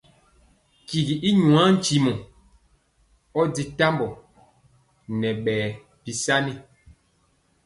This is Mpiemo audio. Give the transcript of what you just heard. Tigi i nwaa ntimɔ ɔ di tambɔ nɛ ɔ ɓɛɛ bisan.